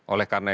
oleh karena itu